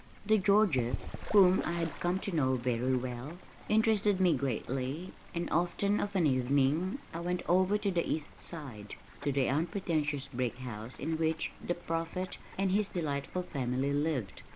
The Georges, whom I had come to know very well, interested me greatly and often of an evening I went over to the East Side, to the unpretentious brick house in which The Prophet and his delightful family lived.